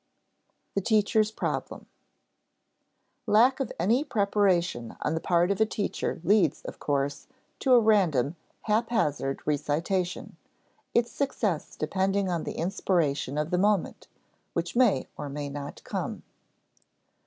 [Sidenote: The teacher's problem] Lack of any preparation on the part of a teacher leads, of course, to a random, haphazard recitation, its success depending on the inspiration of the moment, which may or may not come.